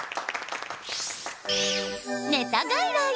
ネタ外来。